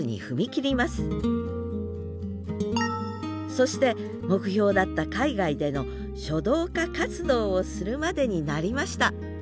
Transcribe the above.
そして目標だった海外での書道家活動をするまでになりました